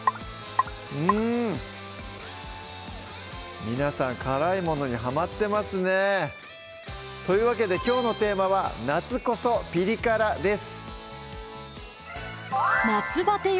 うん皆さん辛いものにハマってますねというわけできょうのテーマは「夏こそピリ辛」です